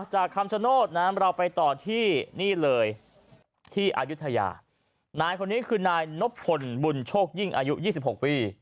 คำชโนธนะเราไปต่อที่นี่เลยที่อายุทยานายคนนี้คือนายนบพลบุญโชคยิ่งอายุ๒๖ปี